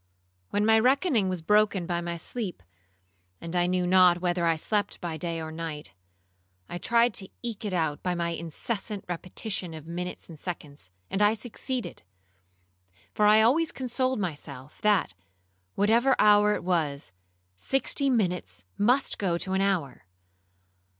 When my reckoning was broken by my sleep, (and I knew not whether I slept by day or by night), I tried to eke it out by my incessant repetition of minutes and seconds, and I succeeded; for I always consoled myself, that whatever hour it was, sixty minutes must go to an hour.